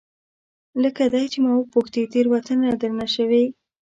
لکه دی چې ما پوښتي، تیروتنه درنه شوې؟